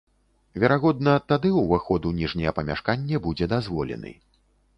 Верагодна, тады ўваход у ніжняе памяшканне будзе дазволены.